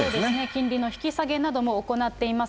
金利の引き下げなども行っています。